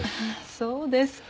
そうですか。